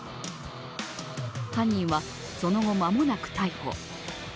犯人はその後、間もなく逮捕。